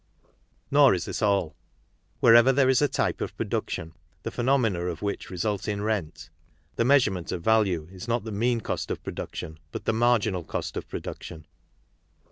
Nor is this all. Wherever there is a type of produc tion the phenomena of which result in rent, the measure ment of value is not the mean cost of production but the marginal cost of production.